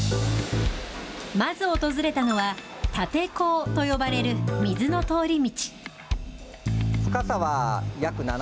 まず訪れたのは、立て坑と呼ばれる水の通り道。